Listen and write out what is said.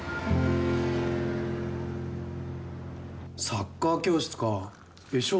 サッカー教室か。